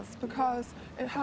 saya juga suka